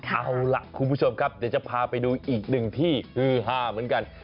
เอาล่ะคุณผู้ชมครับเดี๋ยวจะพาไปดูอีกหนึ่งที่ฮือฮาเหมือนกัน